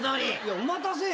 「お待たせ」よ。